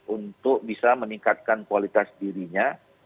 untuk bisa meningkatkan kualitas dirinya